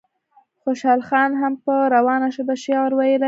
خوشحال خان هم په روانه ژبه شعر ویلی.